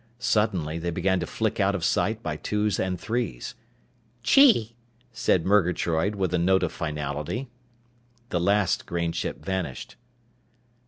Suddenly they began to flick out of sight by twos and threes. "Chee," said Murgatroyd with a note of finality. The last grain ship vanished.